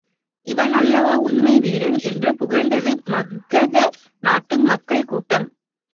இவன் அல்லவா உண்மை வீரன்? என்று புகழ்ந்தது மகத நாட்டு மக்கள் கூட்டம்.